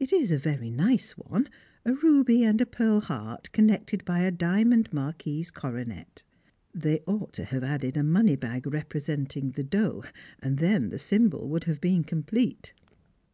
It is a very nice one, a ruby and a pearl heart connected by a diamond Marquis's coronet. They ought to have added a money bag representing the dot, and then the symbol would have been complete.